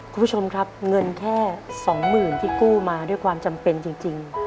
คุณผู้ชมครับเงินแค่๒๐๐๐ที่กู้มาด้วยความจำเป็นจริง